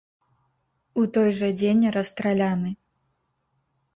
У той жа дзень расстраляны.